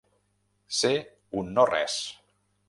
Ser un no res.